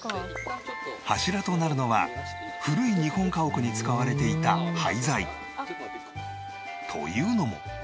柱となるのは古い日本家屋に使われていた廃材。というのも。